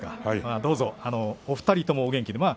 どうぞお２人ともお元気で。